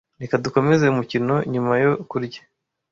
Reka dukomeze umukino nyuma yo kurya.